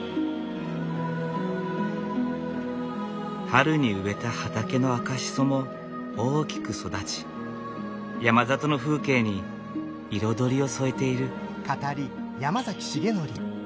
春に植えた畑の赤シソも大きく育ち山里の風景に彩りを添えている。